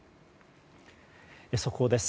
速報です。